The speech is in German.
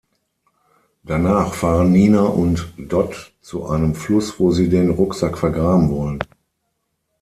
Danach fahren Nina und Dot zu einem Fluss, wo sie den Rucksack vergraben wollen.